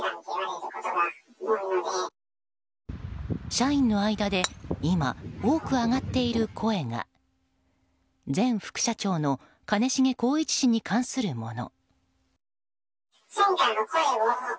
社員の間で今、多く上がっている声が前副社長の兼重宏一氏に関するもの。